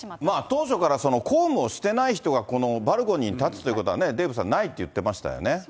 当初から公務をしてない人がこのバルコニーに立つということはね、デーブさん、ないって言ってましたよね。